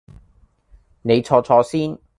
你坐坐先